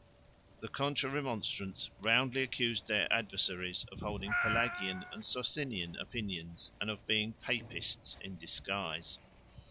The Contra Remonstrants roundly accused their adversaries of holding Pelagian and Socinian opinions and of being Papists in disguise.